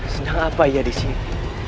sedang apa ya disini